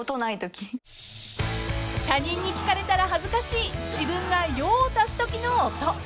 ［他人に聞かれたら恥ずかしい自分が用を足すときの音］